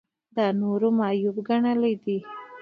دا نورو معیوب ګڼل دي.